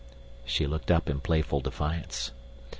She looked up in playful defiance.